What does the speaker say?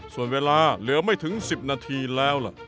ส่วนเวลาเหลือไม่ถึง๑๐นาทีแล้วล่ะ